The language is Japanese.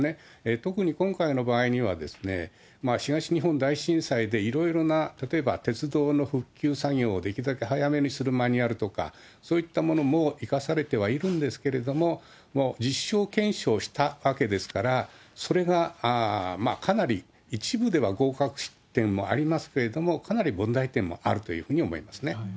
特に今回の場合には、東日本大震災でいろいろな、例えば鉄道の復旧作業をできるだけ早めにするマニュアルとか、そういったものも生かされてはいるんですけれども、実証検証したわけですから、それがかなり、一部では合格点もありますけれども、かなり問題点もあるというふうに思いますね。